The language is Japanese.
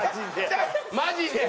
マジで。